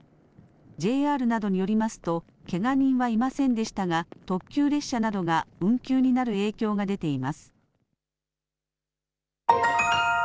ＪＲなどによりますとけが人はいませんでしたが特急列車などが運休になる影響が出ています。